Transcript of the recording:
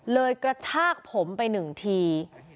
กระชากผมไปหนึ่งที